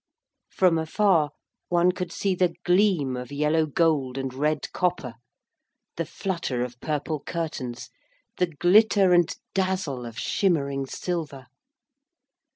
From afar one could see the gleam of yellow gold and red copper; the flutter of purple curtains, the glitter and dazzle of shimmering silver.